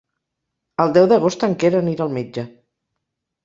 El deu d'agost en Quer anirà al metge.